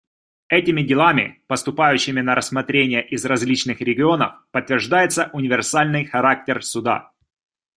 Этими делами, поступающими на рассмотрение из различных регионов, подтверждается универсальный характер Суда.